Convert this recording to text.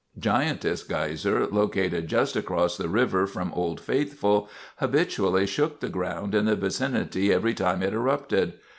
Giantess Geyser, located just across the river from Old Faithful, habitually shook the ground in the vicinity every time it erupted.